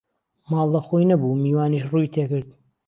ماڵ له خۆی نهبوو میوانیش ڕووی تێکرد